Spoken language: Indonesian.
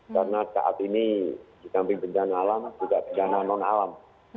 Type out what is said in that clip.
karena saat ini di samping bencana alam juga bencana non alam